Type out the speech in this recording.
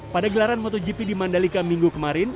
pada gelaran motogp di mandalika minggu kemarin